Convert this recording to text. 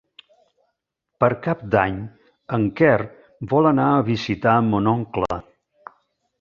Per Cap d'Any en Quer vol anar a visitar mon oncle.